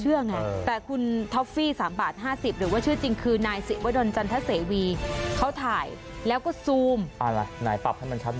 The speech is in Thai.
เออมันมีลักษณะให้คล้ายกับการเป็นจานอย่างนั้นนะ